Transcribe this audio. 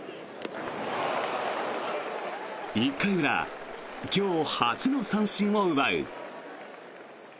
１回裏、今日初の三振を奪う。